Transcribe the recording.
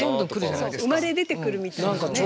生まれ出てくるみたいなね。